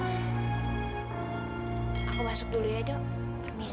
aku masuk dulu ya dok permisi